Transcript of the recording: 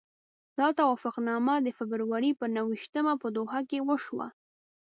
دا توافقنامه د فبروري پر نهه ویشتمه په دوحه کې وشوه.